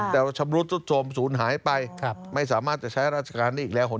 แต่ว่าชำรุดสุดชมศูนย์หายไปไม่สามารถจะใช้ราชการได้อีกแล้ว